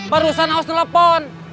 barusan aus telepon